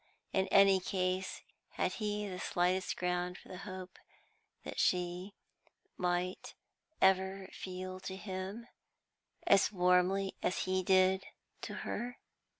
In any case, had he the slightest ground for the hope that she might ever feel to him as warmly as he did to her?